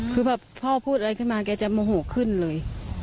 คือแบบพ่อพูดอะไรขึ้นมาแกจะโมโหขึ้นเลย